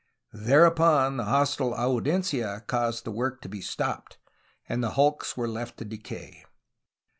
Thereupon the hostile audiencia caused the work to be stopped, and the hulks were left to decay.